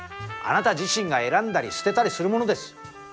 あなた自身が選んだり捨てたりするものです。